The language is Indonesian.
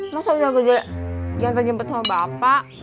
masa udah gede diantar jemput sama bapak